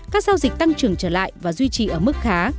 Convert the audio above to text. các giao dịch tăng trưởng trở lại và duy trì ở mức khá